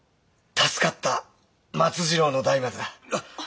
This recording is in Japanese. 助かった松次郎の代までだ。